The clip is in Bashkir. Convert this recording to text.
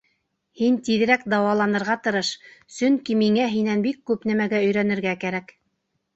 — Һин тиҙерәк дауаланырға тырыш, сөнки миңә һинән бик күп нәмәгә өйрәнергә кәрәк.